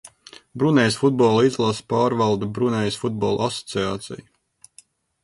Brunejas futbola izlasi pārvalda Brunejas Futbola asociācija.